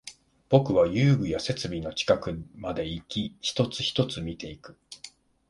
僕は遊具や設備の近くまでいき、一つ、一つ見ていく